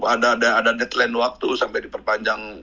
ada deadline waktu sampai diperpanjang